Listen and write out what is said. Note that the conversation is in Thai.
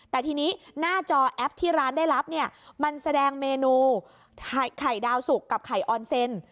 แต่ทีนี้หน้าจอแอปที่ร้านได้รับเนี่ยมันแสดงเมนูไข่ดาวสุกกับไข่ออนเซน